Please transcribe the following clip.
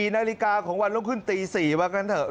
๔นาฬิกาของวันรุ่งขึ้นตี๔ว่ากันเถอ